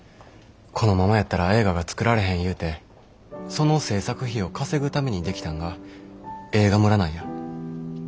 このままやったら映画がつくられへんいうてその製作費を稼ぐために出来たんが映画村なんや。